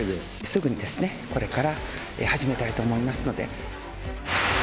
すぐに、これから始めたいと思いますので。